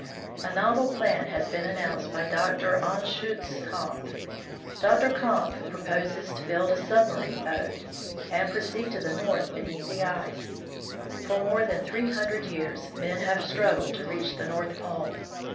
A novel plan has been announced by Dr. Anschutz Kampfe. Dr. Kampfe proposes to build a submarine boat, and proceed to the pole beneath the ice. For more than three hundred years, men have struggled to reach the North Pole.